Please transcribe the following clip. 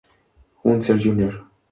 Unser Jr.